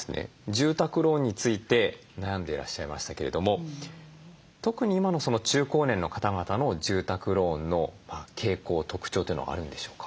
住宅ローンについて悩んでいらっしゃいましたけれども特に今の中高年の方々の住宅ローンの傾向特徴というのはあるんでしょうか？